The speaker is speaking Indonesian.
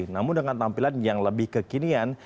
namun dengan tampilan yang lebih kekinian